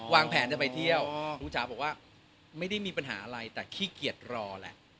วางแผนจะไปเที่ยวลุงจ๋าบอกว่าไม่ได้มีปัญหาอะไรแต่ขี้เกียจรอแหละ